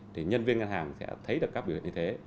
thì nhân viên ngân hàng sẽ thấy được các biểu hiện như thế